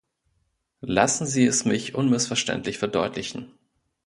Lassen Sie es mich unmissverständlich verdeutlichen.